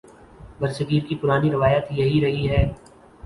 برصغیر کی پرانی روایت یہی رہی ہے۔